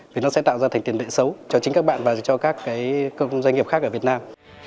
vì nó sẽ tạo ra thành tiền tệ xấu cho chính các bạn và cho các doanh nghiệp khác ở việt nam